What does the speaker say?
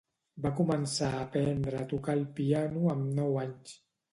Va començar a aprendre a tocar el piano amb nou anys.